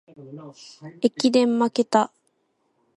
駅伝まけた